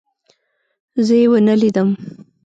زه يې ونه لیدم.